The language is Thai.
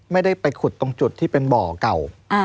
ไม่ได้ไปขุดตรงจุดที่เป็นบ่อเก่า